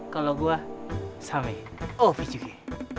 kalau gua sami ov juga